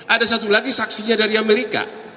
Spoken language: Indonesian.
ada satu lagi saksinya dari amerika